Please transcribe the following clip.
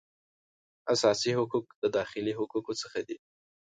اساسي حقوق د داخلي حقوقو څخه دي